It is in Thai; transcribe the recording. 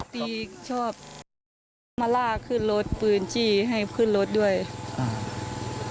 ตีชอบมาลากขึ้นรถปืนจี้ให้ขึ้นรถด้วยอ่า